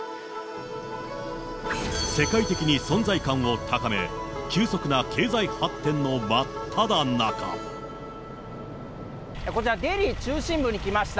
世界的に存在感を高め、こちら、デリー中心部に来ました。